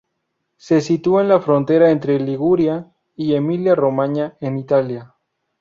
Se sitúa en la frontera entre Liguria y Emilia-Romaña, en Italia.